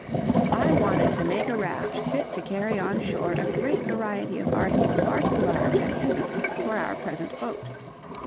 I wanted to make a raft fit to carry on shore a great variety of articles far too large and heavy for our present boat.